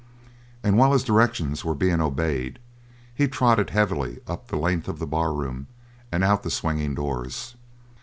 And while his directions were being obeyed he trotted heavily up the length of the barroom and out the swinging doors.